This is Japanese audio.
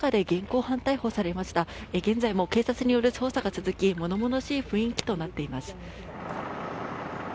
現在も警察による捜査が続きものものしい雰囲気となっています。